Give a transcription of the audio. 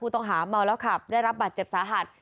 ต้องหาเมาแล้วขับได้รับบาดเจ็บสาหัส